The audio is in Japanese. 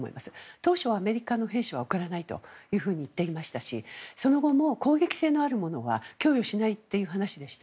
当初はアメリカの兵士は送らないと言っていましたしその後も攻撃性のあるものは供与しないという話でした。